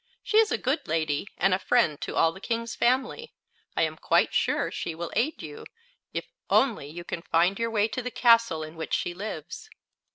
She is a good lady, and a friend to all the King's family. I am quite sure she will aid you, if only you can find your way to the castle in which she lives."